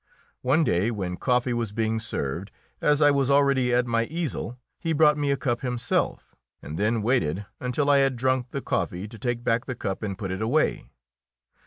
One day, when coffee was being served, as I was already at my easel, he brought me a cup himself, and then waited until I had drunk the coffee to take back the cup and put it away.